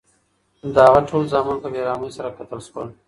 د هغه ټول زامن په بې رحمۍ سره قتل شول.